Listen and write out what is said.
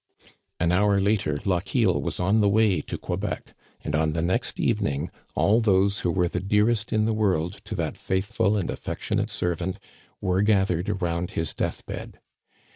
An hour later Lochiel was on the way to Quebec, and on the next evening all those who were the dearest in the world to that faithful and affectionate servant were gathered around his death bed.